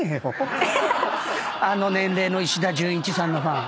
あの年齢の石田純一さんのファン。